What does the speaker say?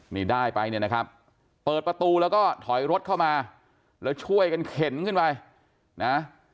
นี่ได้ไปเนี่ยนะครับเปิดประตูแล้วก็ถอยรถเข้ามาแล้วช่วยกันเข็นขึ้นไปนะ